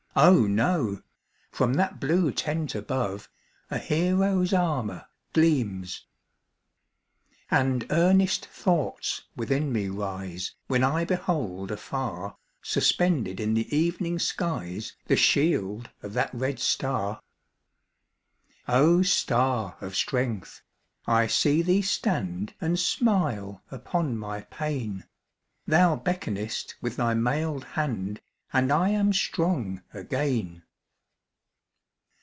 Oh, no! from that blue tent above, A hero's armour gleams. And earnest thoughts within me rise, When I behold afar, Suspended in the evening skies The shield of that red star. O star of strength! I see thee stand And smile upon my pain; Thou beckonest with thy mailed hand, And I am strong again.